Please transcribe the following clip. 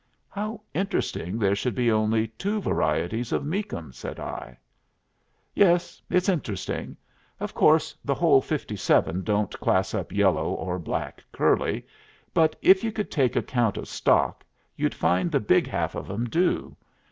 "How interesting there should be only two varieties of Meakum!" said I. "Yes, it's interesting. Of course the whole fifty seven don't class up yellow or black curly, but if you could take account of stock you'd find the big half of 'em do.